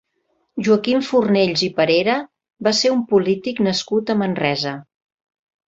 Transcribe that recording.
Joaquim Fornells i Parera va ser un polític nascut a Manresa.